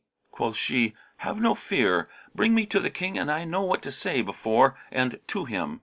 Quoth she, 'Have no fear, bring me to the King and I know what to say before and to him.'